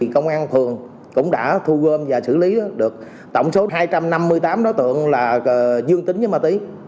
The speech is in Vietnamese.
công an phường cũng đã thu gom và xử lý được tổng số hai trăm năm mươi tám đối tượng dương tính với ma túy